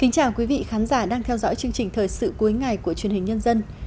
chào mừng quý vị đến với bộ phim thời sự cuối ngày của chuyên hình nhân dân